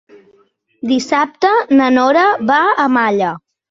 Dissabte na Nora va a Malla.